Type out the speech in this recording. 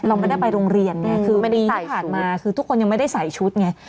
เราไม่ได้ไปโรงเรียนไงคือปีที่ผ่านมาคือทุกคนยังไม่ได้ใส่ชุดไง